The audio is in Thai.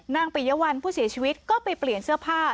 ปิยวัลผู้เสียชีวิตก็ไปเปลี่ยนเสื้อผ้า